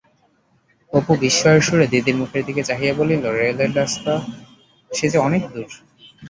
অপু বিস্ময়ের সুরে দিদির মুখের দিকে চাহিয়া বলিল, রেলের রাস্তা-সে যে অনেক দূর!